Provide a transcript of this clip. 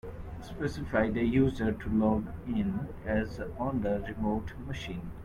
Specify the user to log in as on the remote machine.